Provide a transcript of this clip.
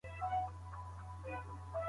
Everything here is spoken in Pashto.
هغوی د انار په خوړلو بوخت دي.